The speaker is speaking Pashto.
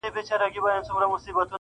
ته احمق یې خو له بخته ګړندی یې؛